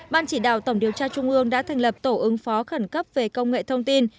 ban chỉ đạo tổng điều tra trung ương đã thành lập tổ ứng phó khẩn cấp về công nghệ thông tin